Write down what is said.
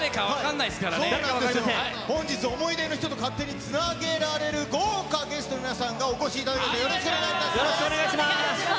本日、想い出の人と勝手につなげられる豪華ゲストの皆さんがお越しいたよろしくお願いします。